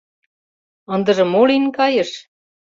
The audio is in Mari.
Ындыже мо лийын кайыш?